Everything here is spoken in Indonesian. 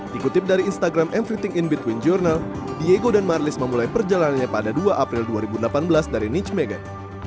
dikutip dari instagram everything in between journal diego dan marlis memulai perjalanannya pada dua april dua ribu delapan belas dari nich meghan